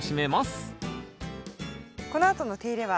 このあとの手入れは？